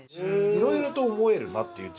いろいろと思えるなっていう。